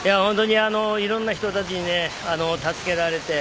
いろんな人たちに助けられて。